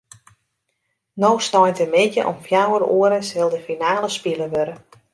No sneintemiddei om fjouwer oere sil de finale spile wurde.